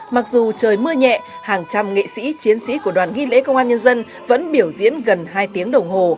mặc dù trời mưa nhẹ hàng trăm nghệ sĩ chiến sĩ của đoàn ghi lễ công an nhân dân vẫn biểu diễn gần hai tiếng đồng hồ